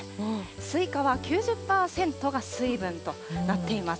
スイカは９０％が水分となっています。